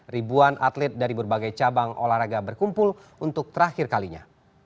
ribuan atlet dari berbagai cabang olahraga berkumpul untuk terakhir kalinya